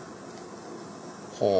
ほう。